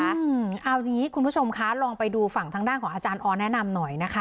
เอาอย่างนี้คุณผู้ชมคะลองไปดูฝั่งทางด้านของอาจารย์ออแนะนำหน่อยนะคะ